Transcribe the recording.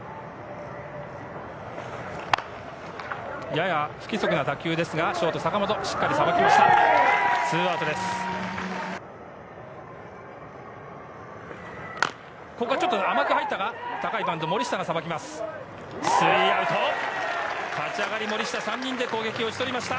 やや不規則な打球ですが、坂本、しっかりさばきました。